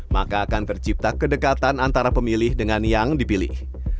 maka akan tercipta kedekatan antara pemilih dengan yang dipilih